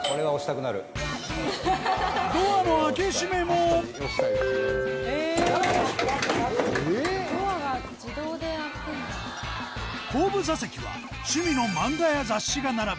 ドアの開け閉めも後部座席は趣味の漫画や雑誌が並ぶ